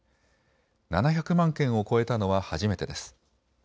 ７００万件を超えたのは初めてです。